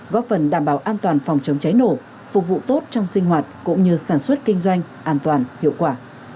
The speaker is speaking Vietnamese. góp phần đảm bảo an toàn phòng chống cháy nổ phục vụ tốt trong sinh hoạt cũng như sản xuất kinh doanh an toàn hiệu quả